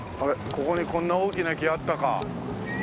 ここにこんな大きな木あったか。